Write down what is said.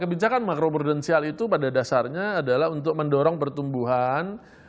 kebijakan makro prudensial itu pada dasarnya adalah untuk mendorong pertumbuhan